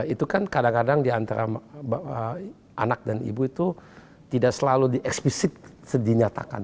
itu kan kadang kadang di antara anak dan ibu itu tidak selalu eksplisit dinyatakan